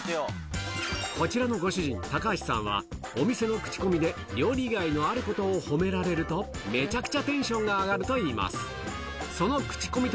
こちらのご主人、高橋さんは、お店の口コミで料理以外のあることを褒められると、めちゃくちゃテンションが上がるといいます。